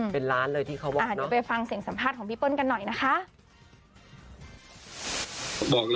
เป็นร้านเลยที่เขาบอกเนอะ